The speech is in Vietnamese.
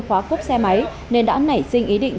khóa cốp xe máy nên đã nảy sinh ý định